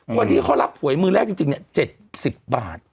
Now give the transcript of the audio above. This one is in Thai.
คนที่เขารับหวยมือแรกจริงจริงเนี้ยเจ็ดสิบบาท